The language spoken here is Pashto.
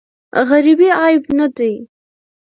غریبې عیب نه دی.